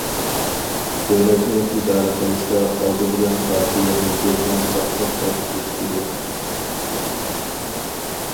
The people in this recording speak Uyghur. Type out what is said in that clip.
دۆلەتنى ئىدارە قىلىشتا ئالدى بىلەن پارتىيەنى جەزمەن قاتتىق باشقۇرۇش كېرەك.